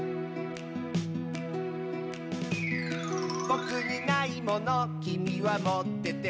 「ぼくにないものきみはもってて」